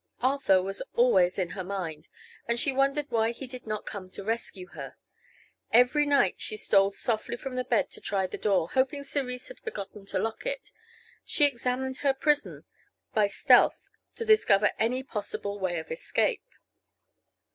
Arthur was always in her mind, and she wondered why he did not come to rescue her. Every night she stole softly from her bed to try the door, hoping Cerise had forgotten to lock it. She examined her prison by stealth to discover any possible way of escape.